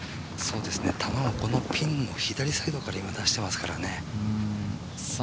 球はピンの左サイドから出てますからね。